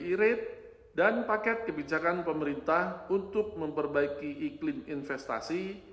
hal itu sejalan dengan penurunan bi rate dan paket kebijakan pemerintah untuk memperbaiki iklim investasi